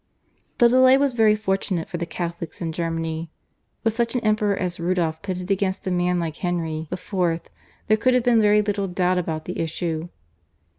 This delay was very fortunate for the Catholics in Germany. With such an Emperor as Rudolph pitted against a man like Henry IV. there could have been very little doubt about the issue.